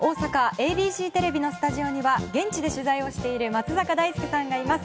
ＡＢＣテレビのスタジオには現地で取材をしている松坂大輔さんがいます。